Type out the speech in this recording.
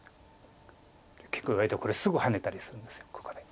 結構割とこれすぐハネたりするんですここで。